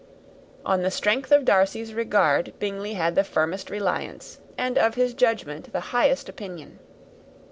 On the strength of Darcy's regard, Bingley had the firmest reliance, and of his judgment the highest opinion.